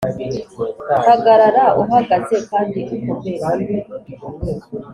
hagarara uhagaze kandi ukomere